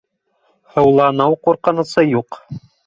Һыуланыу ҡурҡынысы юҡ.